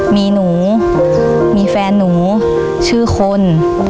มีหนูมีแฟนหนูชื่อคน